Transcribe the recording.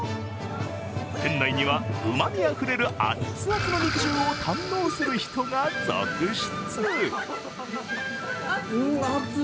店内には、うまみあふれるアッツアツの肉汁を堪能する人が続出。